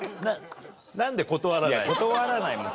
何で断らないの？